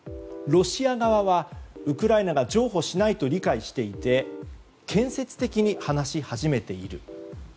ロシア側はウクライナが譲歩しないと理解していて建設的に話し始めている。